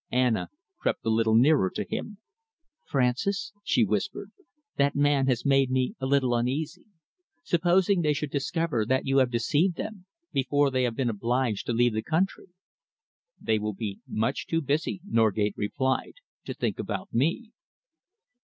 Anna crept a little nearer to him. "Francis," she whispered, "that man has made me a little uneasy. Supposing they should discover that you have deceived them, before they have been obliged to leave the country!" "They will be much too busy," Norgate replied, "to think about me."